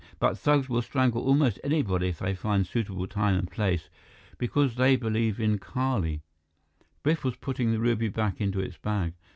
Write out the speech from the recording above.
But thugs will strangle almost anybody if they find suitable time and place, because they believe in Kali." Biff was putting the ruby back into its bag.